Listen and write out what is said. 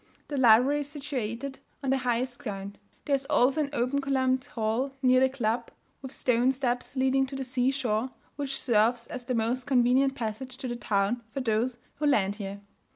The library is situated on the highest ground. There is also an open columned hall near the club, with stone steps leading to the sea shore, which serves as the most convenient passage to the town for those who land here.